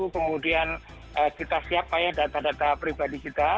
kemudian kita siapkan data data pribadi kita